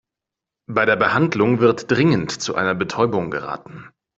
Bei der Behandlung wird dringend zu einer Betäubung geraten.